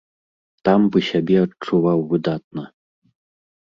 Там бы сябе адчуваў выдатна.